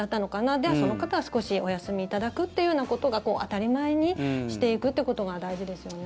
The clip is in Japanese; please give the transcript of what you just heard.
じゃあその方は少しお休みいただくというようなことが当たり前にしていくということが大事ですよね。